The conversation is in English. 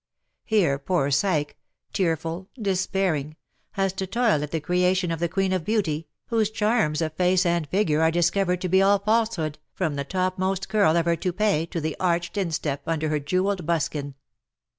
Here poor Psyche — tearful, despairing — has to toil at the creation of the Queen of Beauty, whose charms of face and figure VOL. 1. Q 22(3 CUPID AND PSYCHE. are discovered to be all falsehood, from the topmost curl of her toupet to the arched instep under her j e welled buskin